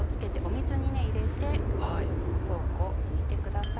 水に入れてフォークを抜いてください。